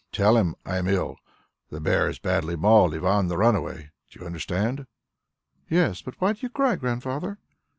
Tell him I am ill the bear has badly mauled Ivan the Runaway. Do you understand?" "Yes; but why do you cry, Grandfather?"